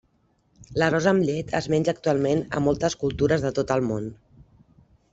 L'arròs amb llet es menja actualment a moltes cultures de tot el món.